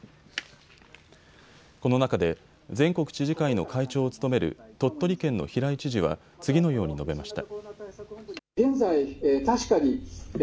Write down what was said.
この中で全国知事会の会長を務める鳥取県の平井知事は次のように述べました。